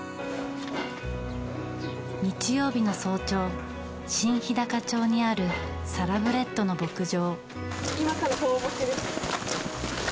日曜日の早朝新ひだか町にあるサラブレッドの牧場。